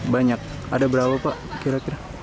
banyak ada berapa pak kira kira